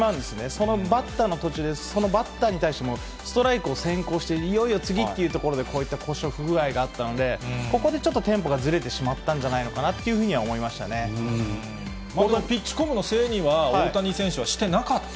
そのバッターの途中で、そのバッターに対してもストライクを先行して、いよいよ次っていうところで、こういった故障、不具合があったので、ここでちょっと、テンポがずれてしまったんじゃないのかなというふうには思ピッチコムのせいには大谷選まあ